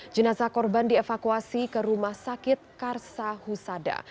jenazah korban dievakuasi ke rumah sakit karsa husada